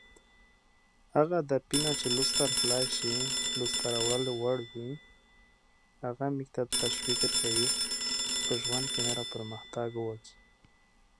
Creating achievable goals also gives us an incentive to move forward in life.